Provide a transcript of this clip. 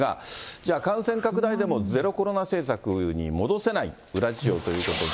じゃあ、感染拡大でもゼロコロナ政策に戻せない裏事情ということで。